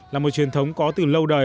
là một truyền thống có từ lâu đời